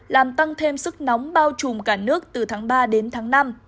làm tăng thêm sức nóng bao trùm cả nước từ tháng ba đến tháng năm